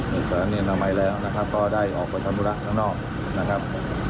สถานีอนามัยแล้วนะครับก็ได้ออกไปทำธุระข้างนอกนะครับ